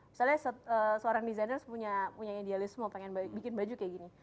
misalnya seorang desainer punya idealisme pengen bikin baju kayak gini